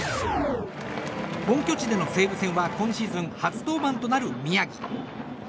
本拠地での西武戦は今シーズン初登板となる宮城。